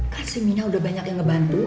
kan si mina udah banyak yang ngebantu